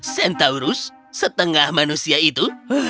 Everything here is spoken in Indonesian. centaurus setengah manusia itu